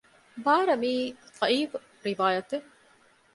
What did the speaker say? ބާރަ މިއީ ޟަޢީފު ރިވާޔަތެއް